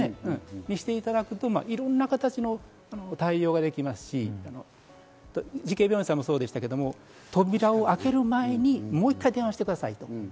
そうしていただくと、いろんな形の対応ができますし、慈恵病院さんもそうですが、扉を開ける前にもう一回電話してくださいと。